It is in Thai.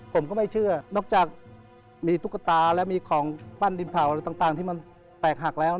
ผมก็ไม่เชื่อนอกจากมีตุ๊กตาและมีของปั้นดินเผาอะไรต่างที่มันแตกหักแล้ว